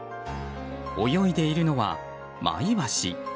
泳いでいるのはマイワシ。